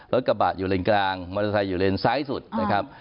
รถกระบะอยู่เลนกลางมอเตอร์ไซค์อยู่เลนซ้ายสุดนะครับ